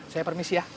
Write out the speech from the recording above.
saya permisi ya